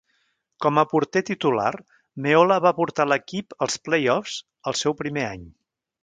Com a porter titular, Meola va portar l'equip als playoffs el seu primer any.